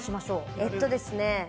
えーとですね。